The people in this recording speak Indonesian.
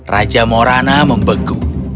raja morana membeku